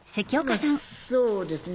まっそうですね。